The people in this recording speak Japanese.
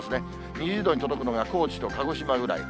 ２０度に届くのが高知と鹿児島くらい。